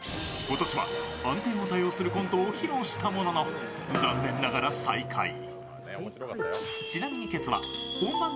今年は暗転を多用するコントを披露したものの残念ながら最下位。